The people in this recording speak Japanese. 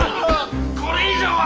これ以上は。